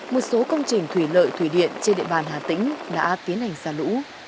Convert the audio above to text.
một số công trình thủy lợi thủy điện trên địa bàn hà tĩnh đã tiến hành xả lũ